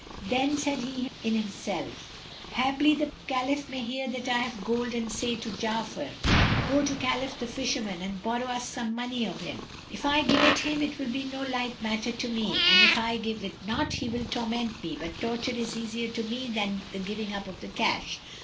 Then said he in himself, "Haply the Caliph may hear that I have gold and say to Ja'afar, 'Go to Khalif the Fisherman and borrow us some money of him.' If I give it him, it will be no light matter to me, and if I give it not, he will torment me; but torture is easier to me than the giving up of the cash.